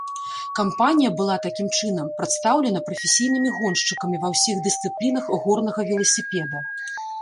Кампанія была, такім чынам, прадстаўлена прафесійнымі гоншчыкамі ва ўсіх дысцыплінах горнага веласіпеда.